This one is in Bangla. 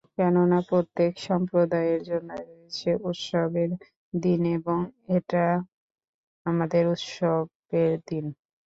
কেননা, প্রত্যেক সম্প্রদায়ের জন্যেই রয়েছে উৎসবের দিন এবং এটা আমাদের উৎসবের দিন।